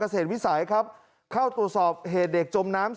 เศษวิสัยครับเข้าตรวจสอบเหตุเด็กจมน้ำ